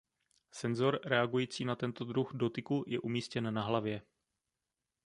Senzor reagující na tento druh dotyku je umístěn na hlavě.